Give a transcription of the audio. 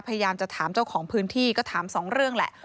พยายามจะถามเจ้าของพื้นที่ก็ถามสองเรื่องแหละ